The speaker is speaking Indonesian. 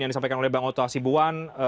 yang disampaikan oleh bang otto asibuan